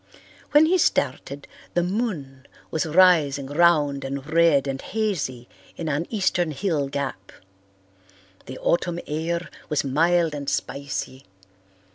When he started, the moon was rising round and red and hazy in an eastern hill gap. The autumn air was mild and spicy.